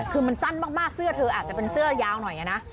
คือมันสั้นมากเสื้อเธออาจจะเป็นเสื้อยาวหน่อยนะ